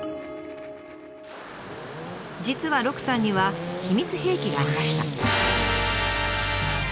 実は鹿さんには秘密兵器がありました。